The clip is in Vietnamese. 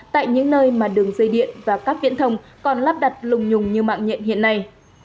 tại những nơi mà đường dây điện và các viễn thông còn lắp đặt lùng nhùng như mạng nhện hiện nay